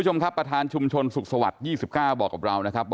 ทหับประทานชุมชนสุขสวัสดี๒๙บอกกับเรานะครับ